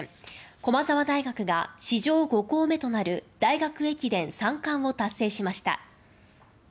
駒澤大学が史上５校目となる大学駅伝三冠を達成しました。